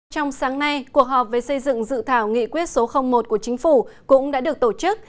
trong sáng nay cuộc họp về xây dựng dự thảo nghị quyết số một của chính phủ cũng đã được tổ chức